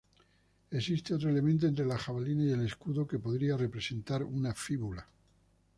Existe otro elemento entre la jabalina y el escudo que podría representar una fíbula.